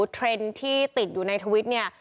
เทรนด์ที่ติดอยู่ในทวิตเนี่ย